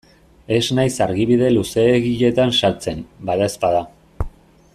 Ez naiz argibide luzeegietan sartzen, badaezpada.